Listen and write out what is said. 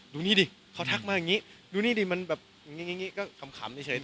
ดูนี่ดิเขาทักมาอย่างนี้ดูนี่ดิมันแบบอย่างนี้ก็ขำเฉย